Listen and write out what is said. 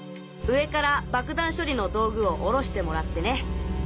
上から爆弾処理の道具を下ろしてもらってね。